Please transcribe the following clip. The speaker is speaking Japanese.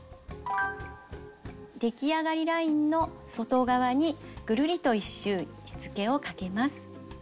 できあがりラインの外側にぐるりと１周しつけをかけます。